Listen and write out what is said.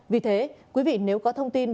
vì thế quý vị nếu có thông tin